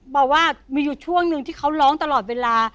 บอกว่ามีอยู่ช่วงหนึ่งที่เขาร้องตลอดเวลา